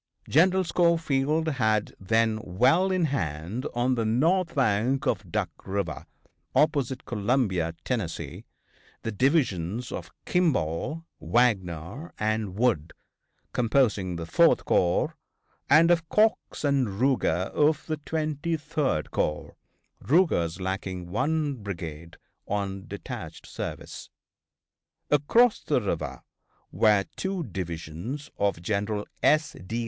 General Schofield had then well in hand on the north bank of Duck River, opposite Columbia, Tennessee, the divisions of Kimball, Wagner and Wood, composing the Fourth corps, and of Cox and Ruger, of the Twenty third corps, Ruger's lacking one brigade on detached service. Across the river were two divisions of General S. D.